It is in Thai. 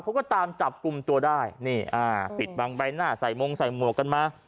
เขาก็ตามจับกลุ่มตัวได้นี่อ่าปิดบังใบหน้าใส่มงใส่หมวกกันมา